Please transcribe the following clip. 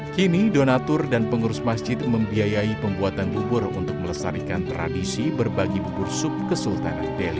kini donatur dan pengurus masjid membiayai pembuatan bubur untuk melestarikan tradisi berbagi bubur sup kesultanan delhi